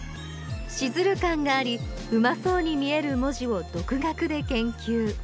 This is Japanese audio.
シズル感がありうまそうに見せる文字を独学で研究。